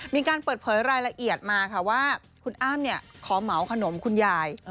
มีการเปิดเผยรายละเอียดมาค่ะว่าคุณอ้ำขอเหมาขนมคุณยาย